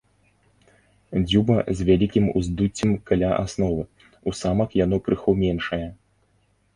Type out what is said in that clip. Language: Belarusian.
Дзюба з вялікім уздуццем каля асновы, у самак яно крыху меншае.